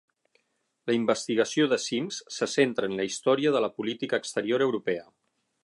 La investigació de Simms se centra en la història de la política exterior europea.